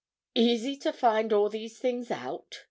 "Easy to find all these things out?"